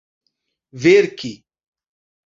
verki